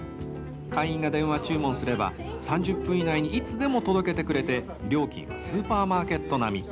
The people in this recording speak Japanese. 会員が電話注文すれば３０分以内にいつでも届けてくれて料金はスーパーマーケット並み。